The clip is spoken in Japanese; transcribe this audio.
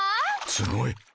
すごい！